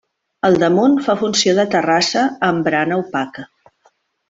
Al damunt fa funció de terrassa amb barana opaca.